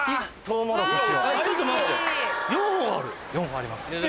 ４本あります。